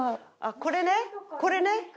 これねこれね。